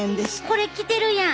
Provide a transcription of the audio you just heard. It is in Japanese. これ着てるやん！